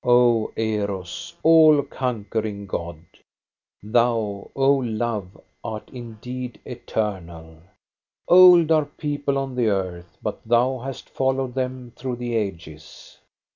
O Eros, all conquering god ! Thou, O Love, art indeed eternal ! Old are people on the earth, but thou hast followed them through the ages.